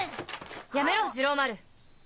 やめろ二郎丸。